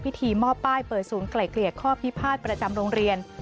มอบป้ายเปิดศูนย์ไกล่เกลี่ยข้อพิพาทประจำโรงเรียน